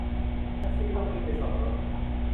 แท็กซี่ต้องรีบไปส่งรถ